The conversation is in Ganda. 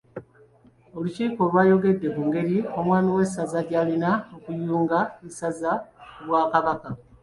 Olukiiko lwayogedde ku ngeri omwami w’essaza gy’alina okuyunga essaza ku Bwakabaka.